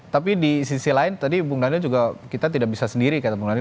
tapi di sisi lain tadi bung daniel juga kita tidak bisa sendiri kata bung dani